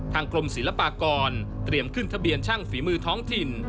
กรมศิลปากรเตรียมขึ้นทะเบียนช่างฝีมือท้องถิ่น